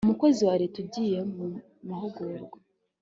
umukozi wa leta ugiye mu mahugurwa